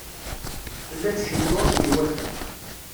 Tella tcennu akken iwata.